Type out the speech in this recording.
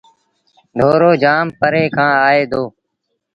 ڍورو جآم پري کآݩ آئي دو۔